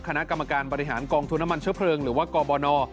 คณะกรรมการบริหารกองทุนน้ำมันเชื้อเพลิงหรือว่ากบน